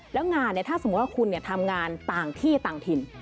แล้วงานถ้าสมมุติว่าคุณทำงานต่างที่ต่างถิ่น